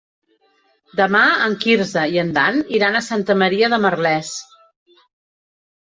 Demà en Quirze i en Dan iran a Santa Maria de Merlès.